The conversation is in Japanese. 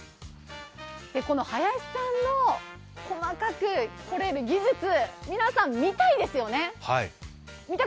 この林さんの細かく彫れる技術皆さん見たいですよね？